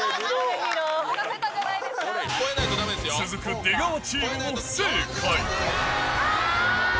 続く出川チームも不正解。